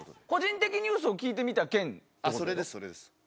個人的ニュースを聞いてみたそれです、それです。